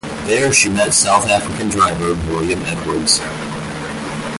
There she met South African diver, William Edwards.